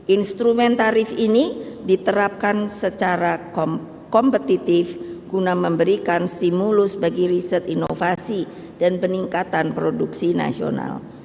instrumen tarif ini diterapkan secara kompetitif guna memberikan stimulus bagi riset inovasi dan peningkatan produksi nasional